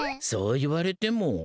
そう言われても。